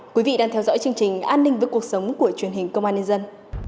quý vị đang theo dõi chương trình an ninh với cuộc sống của truyền hình công an nhân dân